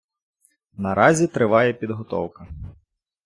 Наразі триває підготовка.